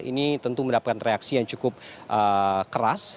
ini tentu mendapatkan reaksi yang cukup keras